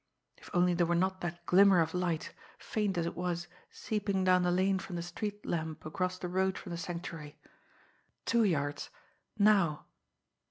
If only there were not that glimmer of light, faint as it was, seeping down the lane from the street lamp across the road from the Sanctuary! Two yards now!